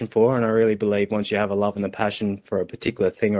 dan saya sangat percaya setelah anda memiliki cinta dan pasien untuk hal atau topik tertentu